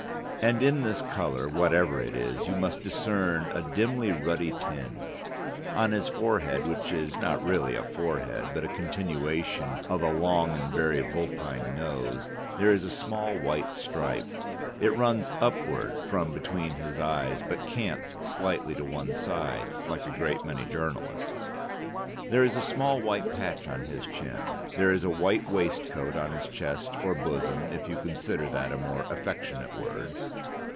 And in this colour, whatever it is, you must discern a dimly ruddy tinge. On his forehead, which is not really a forehead, but a continuation of a long and very vulpine nose, there is a small white stripe. It runs upward from between his eyes, but cants slightly to one side (like a great many journalists). There is a small white patch on his chin. There is a white waistcoat on his chest, or bosom if you consider that a more affectionate word.